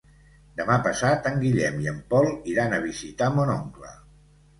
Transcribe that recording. Demà passat en Guillem i en Pol iran a visitar mon oncle.